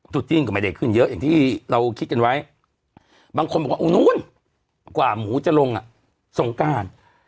จุดจีนก็ไม่ได้ขึ้นเยอะอย่างที่เราคิดกันไว้บางคนบอกว่าตรงนู้นกว่าหมูจะลงสงการ